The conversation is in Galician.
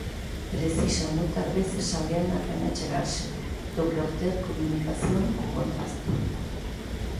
Precisan moitas veces alguén a quen achegarse, do que obter comunicación co contacto.